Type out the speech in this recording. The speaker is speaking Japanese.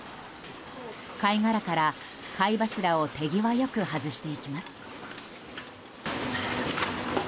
貝殻から貝柱を手際よく外していきます。